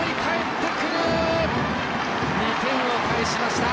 ２点を返しました！